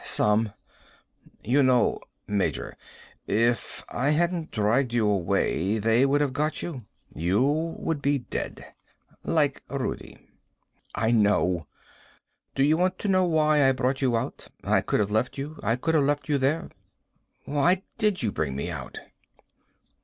"Some." "You know, Major, if I hadn't dragged you away they would have got you. You would be dead. Like Rudi." "I know." "Do you want to know why I brought you out? I could have left you. I could have left you there." "Why did you bring me out?"